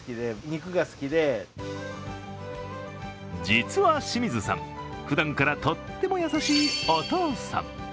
実は清水さん、ふだんからとっても優しいお父さん。